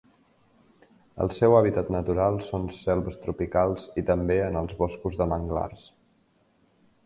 El seu hàbitat natural són selves tropicals i també en els boscos de manglars.